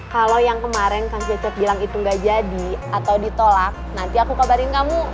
kalau yang kemarin kang cecep bilang itu gak jadi atau ditolak nanti aku kabarin kamu